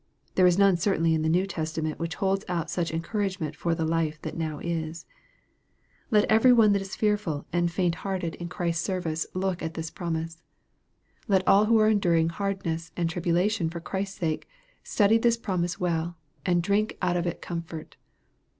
There is none certainly in the New Testament which holds out such encouragement for the life that now is. Let every one that is fearful and faint hearted 212 EXPOSITORY THOUGHTS. in Christ's service look at this promise. Let all who are enduring hardness and tribulation for Christ's sake, study this promise well, and drink out of it comfort.